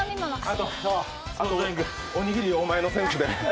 あとおにぎりをおまえのセンスで。